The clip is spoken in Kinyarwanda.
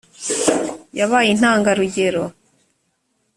yabaye intangarugero